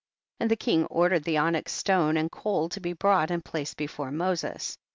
28. And the king ordered the onyx stone and coal to be brought and placed before Moses.